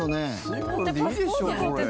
シンプルでいいでしょこれ。